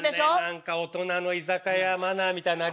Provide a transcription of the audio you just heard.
何か大人の居酒屋マナーみたいなの。